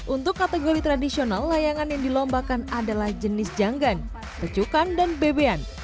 untuk kategori tradisional layangan yang dilombakan adalah jenis janggan pecukan dan bebean